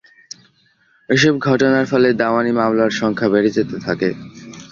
এসব ঘটনার ফলে দেওয়ানি মামলার সংখ্যা বেড়ে যেতে থাকে।